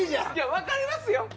分かりますよ。